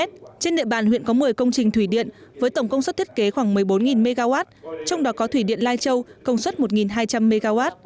trên địa bàn huyện có một mươi công trình thủy điện với tổng công suất thiết kế khoảng một mươi bốn mw trong đó có thủy điện lai châu công suất một hai trăm linh mw